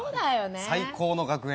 最高の学園。